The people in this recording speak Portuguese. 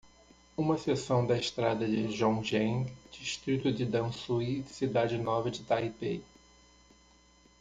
Uma seção da estrada de Zhongzheng, distrito de Danshui, cidade nova de Taipei